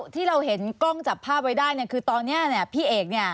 ที่เราเห็นกล้องจับภาพไว้ได้คือตอนนี้พี่เอกเนี่ย